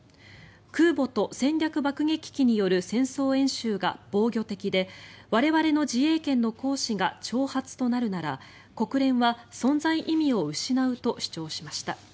空母と戦略爆撃機による戦争演習が防御的で我々の自衛権行使が挑発となるなら国連は存在意味を失うと主張しました。